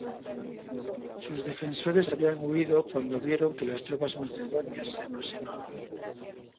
Sus defensores habían huido cuando vieron que las tropas macedonias se aproximaban.